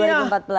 karena saya ilmiah